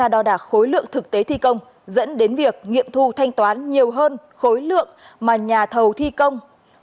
công ty kiểm tra đo đạt khối lượng thực tế thi công dẫn đến việc nghiệm thu thanh toán nhiều hơn khối lượng mà nhà thầu thi công